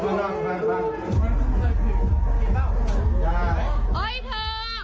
ว่าไงบ้างมันก็ใส่ผิดจริงเหรอยายเอ่ยเธอ